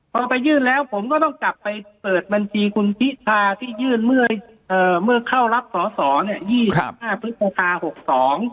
พอไปยื่นแล้วผมก็ต้องกลับไปเปิดบัญชีคุณพิทาที่ยื่นเมื่อเข้ารับสศ๒๕พศ๖๒